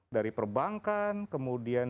dari perbankan kemudian